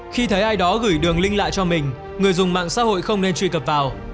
khi thấy ai đó gửi đường link lại cho mình người dùng mạng xã hội không nên truy cập vào